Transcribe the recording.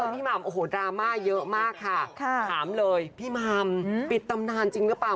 พี่หม่ำโอ้โหดราม่าเยอะมากค่ะถามเลยพี่หม่ำปิดตำนานจริงหรือเปล่า